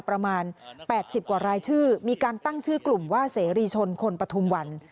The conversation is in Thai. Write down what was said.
ประมาณ๘๐กว่ารายชื่อมีการตั้งชื่อกลุ่มว่าเสรีชนคนปฐุมวัน